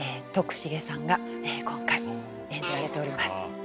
徳重さんが今回演じられております。